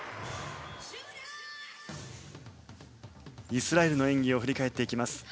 イスラエルの演技を振り返っていきます。